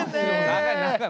長い！